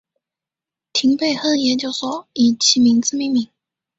廷贝亨研究所以其名字命名。